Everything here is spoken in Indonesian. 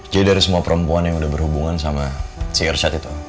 jadi dari semua perempuan yang udah berhubungan sama si irsyad itu